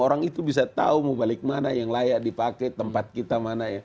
orang itu bisa tahu mau balik mana yang layak dipakai tempat kita mana ya